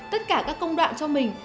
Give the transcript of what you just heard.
tất cả các công đoạn cho mình